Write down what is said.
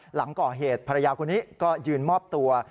หลังก่อเหตุภรรยาคนนี้ก็ยืนมอบตัว